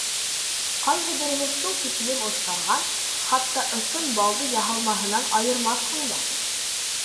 Ҡайһы береһе шул тиклем оҫтарған, хатта ысын балды яһалмаһынан айырмаҫһың да.